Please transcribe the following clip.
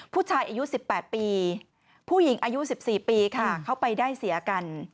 ผู้ชายอายุ๑๘ปีผู้หญิงอายุ๑๔ปีค่ะเขาไปได้เสียกัน